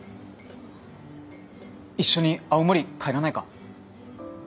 一緒に青森帰らないか？